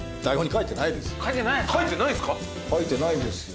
書いてないんすか？